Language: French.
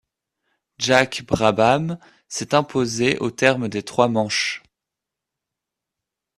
Jack Brabham s'est imposé au terme des trois manches.